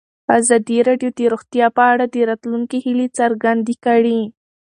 ازادي راډیو د روغتیا په اړه د راتلونکي هیلې څرګندې کړې.